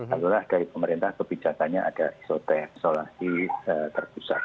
alah dari pemerintah kebijakannya ada isolasi terpusat